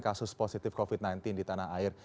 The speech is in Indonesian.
kasus positif covid sembilan belas di tanah air